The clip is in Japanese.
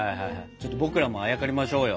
ちょっと僕らもあやかりましょうよ。